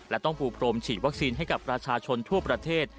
และต้องปูพรมฉีดวัคซีนให้กับประชาชนทั่วประเทศ